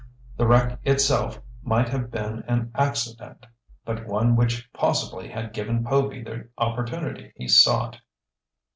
The wreck itself might have been an accident, but one which possibly had given Povy the opportunity he sought.